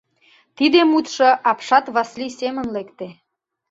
— Тиде мутшо апшат Васлий семын лекте.